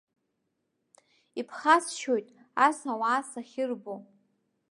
Иԥхасшьоит ас ауаа сахьырбо.